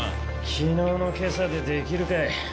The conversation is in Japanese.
昨日の今朝でできるかい。